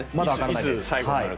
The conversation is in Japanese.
いつ最後になるか。